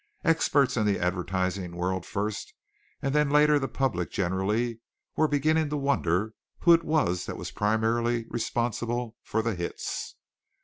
Experts in the advertising world first, and then later the public generally, were beginning to wonder who it was that was primarily responsible for the hits.